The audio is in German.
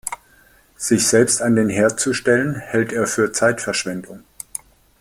Sich selbst an den Herd zu stellen, hält er für Zeitverschwendung.